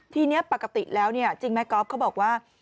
ทีนี้ปกติแล้วจริงไหมก๊อฟเขาบอกว่า